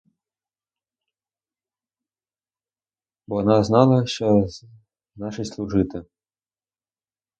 Бона знала, що значить служити.